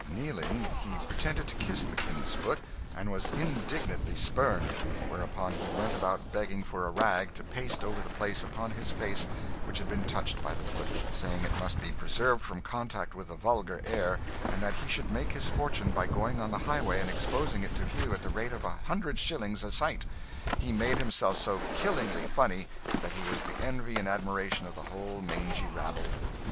Kneeling, he pretended to kiss the King's foot, and was indignantly spurned; whereupon he went about begging for a rag to paste over the place upon his face which had been touched by the foot, saying it must be preserved from contact with the vulgar air, and that he should make his fortune by going on the highway and exposing it to view at the rate of a hundred shillings a sight. He made himself so killingly funny that he was the envy and admiration of the whole mangy rabble.